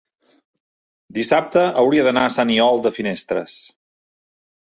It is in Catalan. dissabte hauria d'anar a Sant Aniol de Finestres.